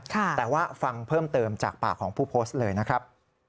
แต่ว่าฟังเพิ่มเติมจากปากของผู้โพสต์เลยนะครับ